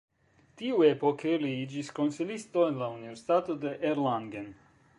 Tiuepoke li iĝis konsilisto en la Universitato de Erlangen.